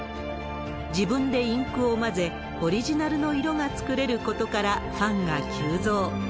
自分でインクを混ぜ、オリジナルの色が作れることからファンが急増。